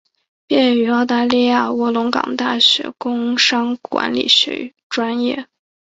毕业于澳大利亚卧龙岗大学工商管理学专业。